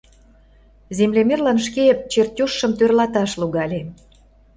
Землемерлан шке чертёжшым тӧрлаташ логале.